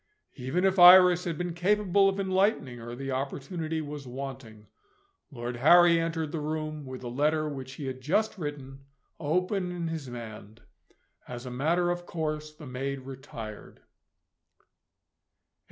Even if Iris had been capable of enlightening her, the opportunity was wanting. Lord Harry entered the room, with the letter which he had just written, open in his hand, As a matter of course, the maid retired.